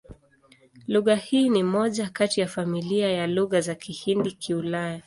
Lugha hii ni moja kati ya familia ya Lugha za Kihindi-Kiulaya.